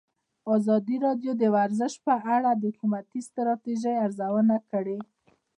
ازادي راډیو د ورزش په اړه د حکومتي ستراتیژۍ ارزونه کړې.